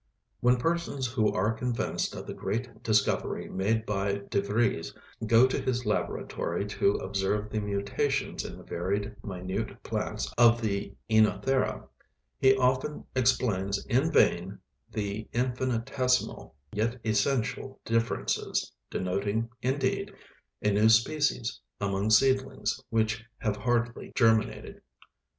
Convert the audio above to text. When persons who are convinced of the great discovery made by De Vries go to his laboratory to observe the mutations in the varied minute plants of the Aenothera, he often explains in vain the infinitesimal yet essential differences, denoting, indeed, a new species, among seedlings which have hardly germinated.